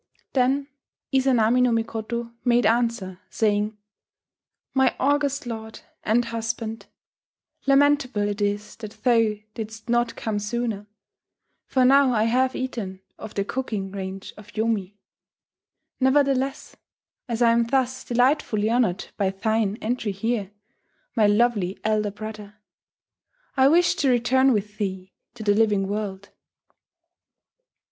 Then Izanami no Mikoto made answer, saying, "My august lord and husband, lamentable it is that thou didst not come sooner, for now I have eaten of the cooking range of Yomi. Nevertheless, as I am thus delightfully honoured by thine entry here, my lovely elder brother, I wish to return with thee to the living world.